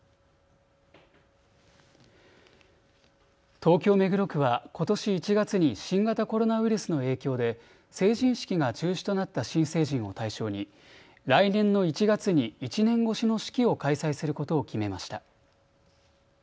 東京目黒区はことし１月に新型コロナウイルスの影響で成人式が中止となった新成人を対象に来年の１月に１年越しの式を開催することを決めました。